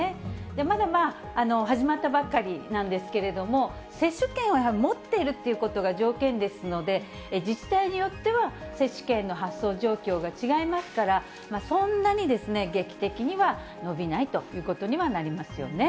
まだ始まったばっかりなんですけれども、接種券をやはり持っているということが条件ですので、自治体によっては接種券の発送状況が違いますから、そんなに劇的には伸びないということにはなりますよね。